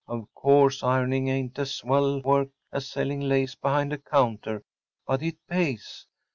Of course ironing ain’t as swell work as selling lace behind a counter, but it pays.